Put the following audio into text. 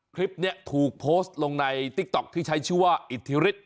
คลิปนี้ถูกโพสต์ลงในแชร่ที่ชื่อว่าอิทธิริต